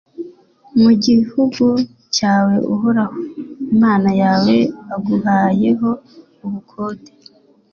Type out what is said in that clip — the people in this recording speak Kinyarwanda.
mu gihugu cyawe uhoraho imana yawe aguhayeho ubukonde: